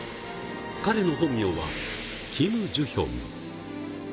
彼の本名はキムジュヒョン。